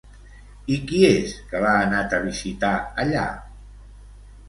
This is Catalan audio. I qui és que l'ha anat a visitar allà?